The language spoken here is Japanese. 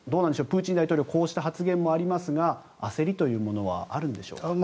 プーチン大統領のこうした発言もありますが焦りというのはあるんでしょうか。